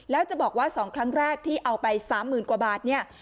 แล้วจะบอกว่า๒ครั้งแรกที่เอาไป๓๐๐๐กว่าบาทเนี่ย